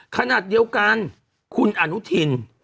ขณะเดียวกันคุณอนุทิน